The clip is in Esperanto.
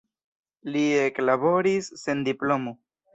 Li eklaboris sen diplomo.